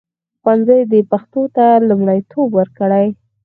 ښوونځي دې پښتو ته لومړیتوب ورکړي.